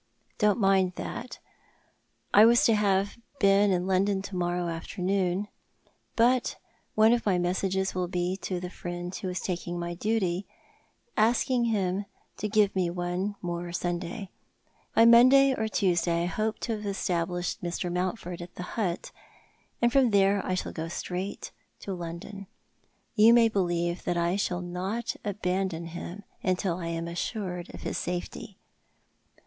" Don't mind that. I was to have been in London to morrow afternoon ; but one of my messages will be to the friend who is taking my duty, asking him to give me one more Sunday. By Monday or Tuesday I \\g^q to have established Mr. Mountford at the Hut, and from there I shall go straight to London. You may believe that I shall not abandon him till I am assured of his safety."